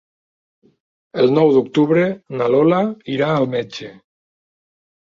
El nou d'octubre na Lola irà al metge.